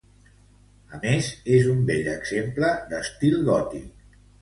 A més, és un bell exemple d'estil gòtic.